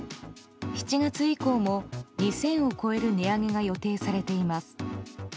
７月以降も２０００を超える値上げが予定されています。